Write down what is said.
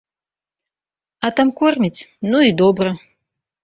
А там кормяць, ну і добра.